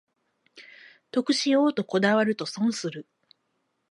得しようとこだわると損する